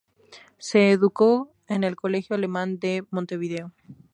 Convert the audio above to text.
Se educó en el Colegio Alemán de Montevideo.